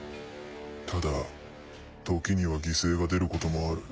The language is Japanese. ただ時には犠牲が出ることもある。